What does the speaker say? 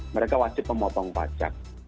mereka wajib memotong pacar